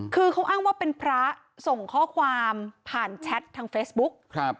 คือเขาอ้างว่าเป็นพระส่งข้อความผ่านแชททางเฟซบุ๊ก